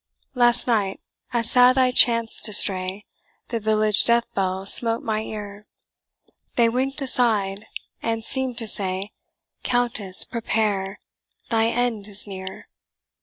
"Last night, as sad I chanced to stray, The village death bell smote my ear; They wink'd aside, and seemed to say, 'Countess, prepare, thy end is near!'